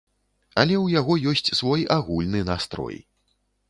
Але ў яго ёсць свой агульны настрой.